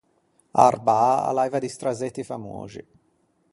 Arbâ a l'aiva di strazzetti famoxi.